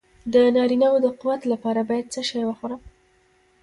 د نارینه وو د قوت لپاره باید څه شی وخورم؟